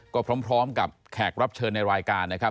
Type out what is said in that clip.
ก็พร้อมกับแขกรับเชิญในรายการนะครับ